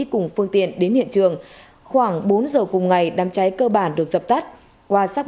cùng phương tiện đến hiện trường khoảng bốn giờ cùng ngày đám cháy cơ bản được dập tắt qua xác